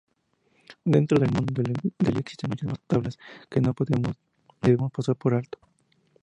Dentro del mundo del existen muchas más tablas que no debemos pasar por alto.